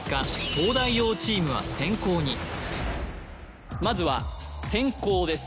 東大王チームは先攻にまずは先攻です